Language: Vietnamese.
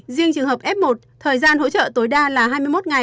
riêng trường hợp f một thời gian hỗ trợ tối đa là hai mươi một ngày